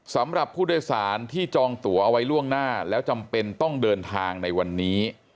สำหรับผู้โดยสารที่จองตัวเอาไว้ล่วงหน้าแล้วจำเป็นต้องเดินทางในวันนี้